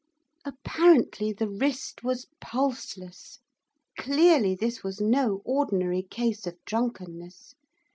Apparently the wrist was pulseless. Clearly this was no ordinary case of drunkenness.